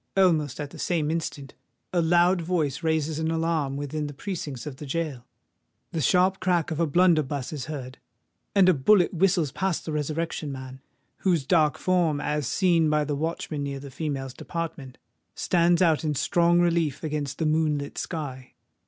Almost at the same instant, a loud voice raises an alarm within the precincts of the gaol: the sharp crack of a blunderbuss is heard—and a bullet whistles past the Resurrection Man, whose dark form, as seen by the watchman near the females' department, stands out in strong relief against the moon lit sky.